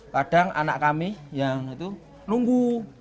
kadang anak kami yang itu nunggu